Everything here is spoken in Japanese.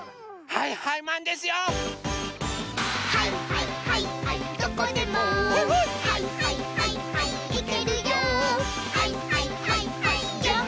「はいはいはいはいマン」